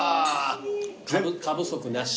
過不足なし。